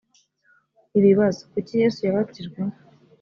ibibazo kuki yesu yabatijwe